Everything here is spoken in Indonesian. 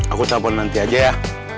aku telepon nanti aja ya